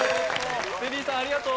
ペリーさんありがとう。